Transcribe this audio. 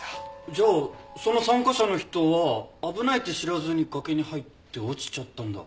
じゃあその参加者の人は危ないって知らずに崖に入って落ちちゃったんだ？